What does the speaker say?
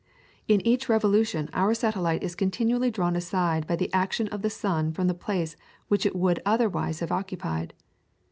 In each revolution our satellite is continually drawn aside by the action of the sun from the place which it would otherwise have occupied.